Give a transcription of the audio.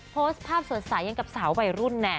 โพสต์ภาพสดใสอย่างกับสาววัยรุ่น